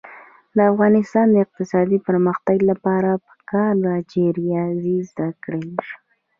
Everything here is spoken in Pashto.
د افغانستان د اقتصادي پرمختګ لپاره پکار ده چې ریاضي زده شي.